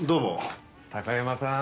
高山さん。